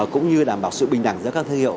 cũng như đảm bảo sự bình đẳng giữa các thương hiệu